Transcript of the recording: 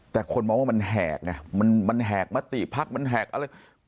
แต่คนมองว่ามันแหกไงมันแหกมติพักมันแหกอะไร